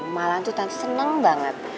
malah tuh tante seneng banget